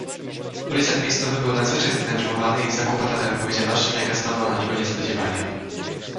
"Policjant miejscowy był nadzwyczaj zdenerwowany i zakłopotany odpowiedzialnością, jaka spadła na niego niespodziewanie."